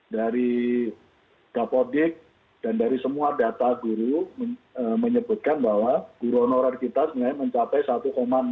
dari dapodik dan dari semua data guru menyebutkan bahwa guru honorer kita sebenarnya mencapai satu enam